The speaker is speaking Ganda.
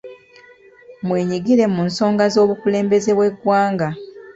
Mwenyigire mu nsonga z’obukulembeze bw’eggwanga.